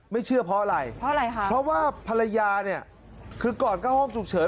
ไม่เชื่อเพราะอะไรเพราะว่าภรรยาเนี่ยคือก่อนก็ห้องฉุกเฉิน